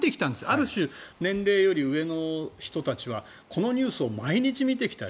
ある種僕の年齢より上の人たちはこのニュースを毎日見てきた。